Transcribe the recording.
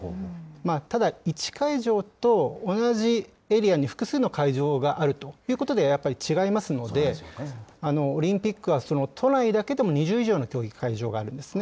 ただ、１会場と同じエリアに複数の会場があるということでは、やっぱり違いますので、オリンピックは都内だけでも２０以上の競技会場があるんですね。